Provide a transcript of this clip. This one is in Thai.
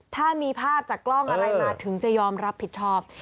ถ้ามีภาพจากกล้องอะไรมาถึงจะยอมรับผิดชอบ